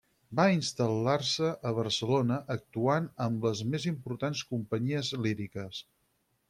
Va instal·lar-se a Barcelona, actuant amb les més importants companyies líriques.